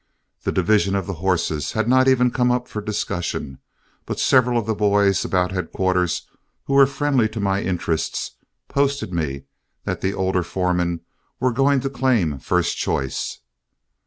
The division of the horses had not even come up for discussion, but several of the boys about headquarters who were friendly to my interests posted me that the older foremen were going to claim first choice.